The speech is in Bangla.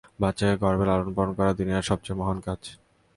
বাচ্চাকে গর্ভে লালনপালন করা দুনিয়ার সবচেয়ে মহান কাজ।